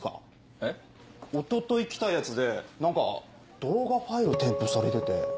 えっ？一昨日来たやつで何か動画ファイル添付されてて。